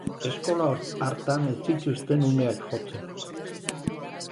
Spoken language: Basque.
Eskola hartan ez zituzten umeak jotzen.